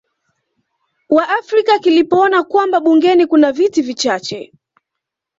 Waafrika kilipoona kwamba bungeni kuna viti vichache